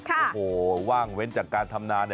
โอ้โหว่างเว้นจากการทำนา